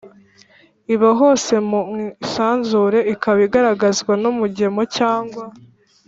iba hose mu isanzure, ikaba igaragazwa n’umugemo cyangwa